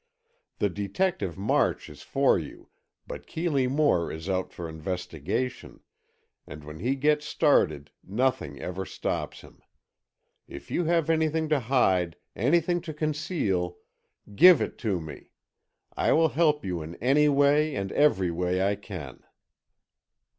The detective March is for you, but Keeley Moore is out for investigation, and when he gets started nothing ever stops him. If you have anything to hide, anything to conceal, give it to me. I will help you in any way and every way I can."